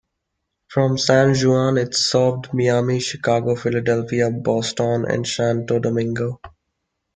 From San Juan its served Miami, Chicago, Philadelphia, Boston and Santo Domingo.